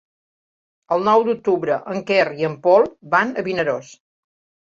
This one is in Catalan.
El nou d'octubre en Quer i en Pol van a Vinaròs.